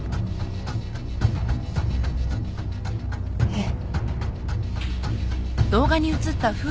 えっ。